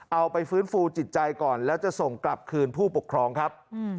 เอาไปฟื้นฟูจิตใจก่อนแล้วจะส่งกลับคืนผู้ปกครองครับ